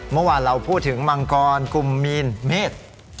เมื่อวานเราพูดถึงมังกรกุมมีนเมษ